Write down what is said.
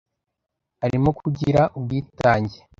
harimo kugira ubwitange,